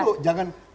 ntar dulu jangan